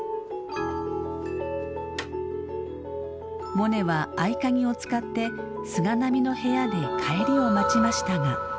モネは合鍵を使って菅波の部屋で帰りを待ちましたが。